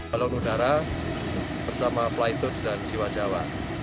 balon udara bersama flight tours dan jiwa jawa